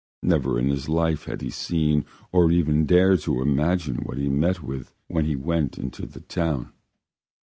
Never in his life had he seen or even dared to imagine what he met with when he went into the town.